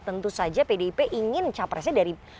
tentu saja pdip ingin capresnya dari